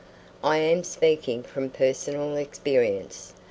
I am speaking from personal experience.